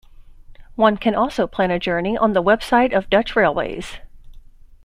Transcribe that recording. One can also plan a journey on the website of Dutch Railways.